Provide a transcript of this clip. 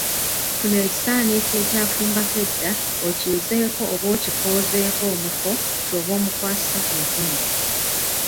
Funa ekisaaniiko ekyafumbako edda, okiyuzeeko oba okikoozeeko omuko ky’oba omukwasisa ku mukono.